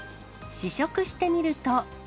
試食してみると。